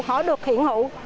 họ được thiện hữu